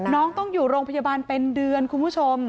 น้องต้องอยู่โรงพยาบาลเป็นเดือนคุณผู้ชม